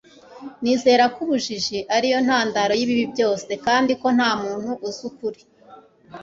nizera ko ubujiji ari yo ntandaro y'ibibi byose. kandi ko nta muntu uzi ukuri